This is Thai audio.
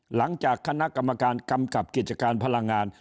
หลังจากคณะกรรมการกำกับกิจการพลังงาน